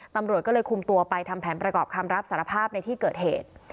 ตำรวจก็เลยคุมตัวไปทำแผนประกอบคำรับสารภาพในที่เกิดเหตุ